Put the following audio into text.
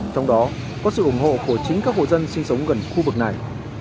trong đó có sự ủng hộ của chính các hộ dân sinh sống gần khu vực này